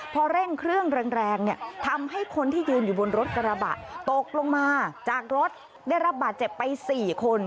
พอเร่งเครื่องแรงเนี่ยทำให้คนที่ยืนอยู่บนรถกระบะตกลงมาจากรถได้รับบาดเจ็บไป๔คน